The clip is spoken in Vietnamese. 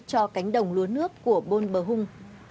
cho cánh đồng lúa nước của bôn bờ hung